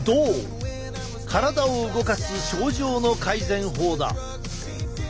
体を動かす症状の改善法だ。